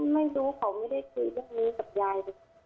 ไม่รู้เขาไม่ได้คุยเรื่องนี้กับยายเลย